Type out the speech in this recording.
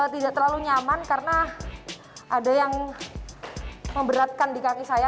tidak terlalu nyaman karena ada yang memberatkan di kaki saya